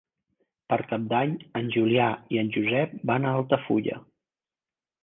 Per Cap d'Any en Julià i en Josep van a Altafulla.